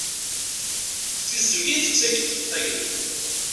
Tiẓgi tettakk-it i tayeḍ.